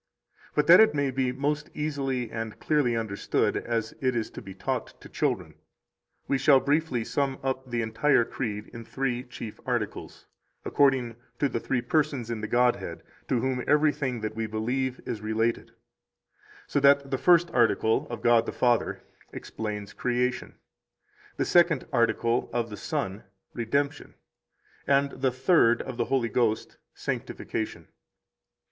6 But that it may be most easily and clearly understood as it is to be taught to children, we shall briefly sum up the entire Creed in three chief articles, according to the three persons in the Godhead, to whom everything that we believe is related, so that the First Article, of God the Father, explains Creation, the Second Article, of the Son, Redemption, and the Third, of the Holy Ghost, Sanctification.